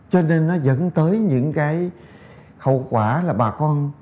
cho nên nó dẫn tới những cái hậu quả là bà con